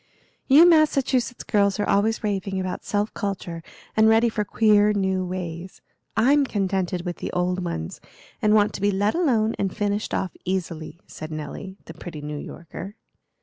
"You Massachusetts girls are always raving about self culture, and ready for queer new ways. I'm contented with the old ones, and want to be let alone and finished off easily," said Nelly, the pretty New Yorker.